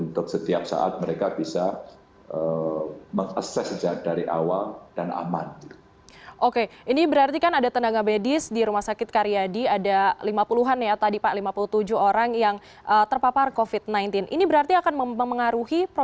terima kasih pak dir